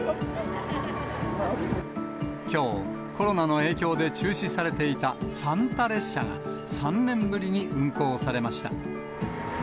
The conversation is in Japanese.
きょう、コロナの影響で中止されていたサンタ列車が、３年ぶりに運行されました。